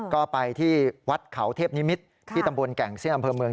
ก็ไปที่วัดเขาเทพนิมิตรที่ตำบลแก่งเซียนอำเภอเมือง